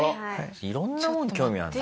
色んなものに興味あるんだね。